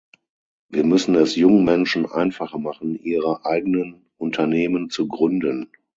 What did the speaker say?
Wir müssen es jungen Menschen einfacher machen, ihre eigenen Unternehmen zu gründen.